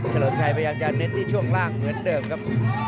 เลิมชัยพยายามจะเน้นที่ช่วงล่างเหมือนเดิมครับ